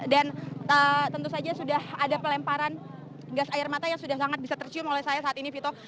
dan tentu saja sudah ada pelemparan gas air mata yang sudah sangat bisa tercium oleh saya saat ini vito